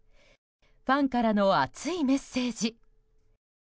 ファンからの熱いメッセージ。